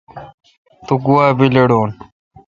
تو گوا بیلڑون۔